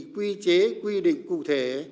quy chế quy định cụ thể